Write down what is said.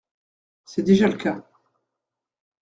C’est déjà le cas.